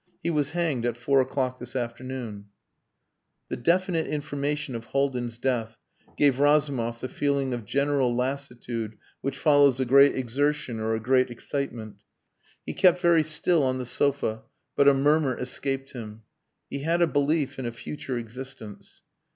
He was hanged at four o'clock this afternoon." The definite information of Haldin's death gave Razumov the feeling of general lassitude which follows a great exertion or a great excitement. He kept very still on the sofa, but a murmur escaped him "He had a belief in a future existence."